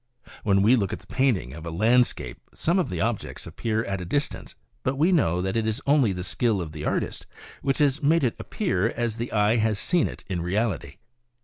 When we look at the painting of a landscape some of the objects appear at a distance; but we know that it is only the skill of the artist which has made it appear as the eye has seen it in reality.